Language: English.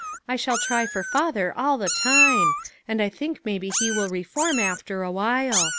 I shall try for father all the time ; and I think maybe he will reform, after a while.